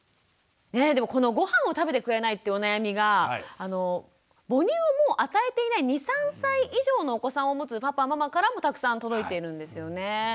でもこのごはんを食べてくれないってお悩みが母乳をもう与えていない２３歳以上のお子さんを持つパパママからもたくさん届いているんですよね。